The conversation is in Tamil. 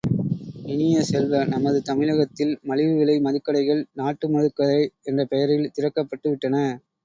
இனிய செல்வ, நமது தமிழகத்தில் மலிவு விலை மதுக்கடைகள் நாட்டு மதுக்கடை என்ற பெயரில் திறக்கப்பட்டு விட்டன.